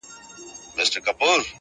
په نارو هم كليوال او هم ښاريان سول.!